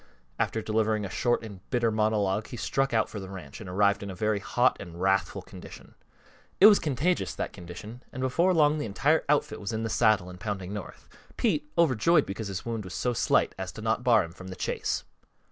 After delivering a short and bitter monologue he struck out for the ranch and arrived in a very hot and wrathful condition. It was contagious, that condition, and before long the entire outfit was in the saddle and pounding north, Pete overjoyed because his wound was so slight as not to bar him from the chase.